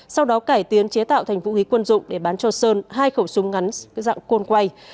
sau đó cải tiến chế tạo thành vũ khí quân dụng để bán cho sơn hai khẩu súng ngắn dạng côn quay